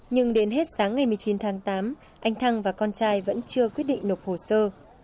nhưng đến hết sáng ngày một mươi chín tháng tám anh thăng và con trai vẫn chưa quyết định nộp hồ sơ